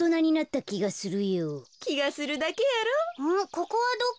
ここはどこ？